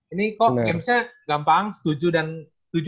ini kok gamesnya gampang setuju atau gak setuju